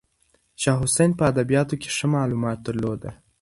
شاه حسین په ادبیاتو کې ښه معلومات درلودل.